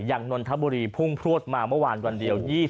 นนทบุรีพุ่งพลวดมาเมื่อวานวันเดียว